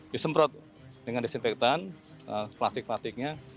disemprot dengan disinfektan plastik plastiknya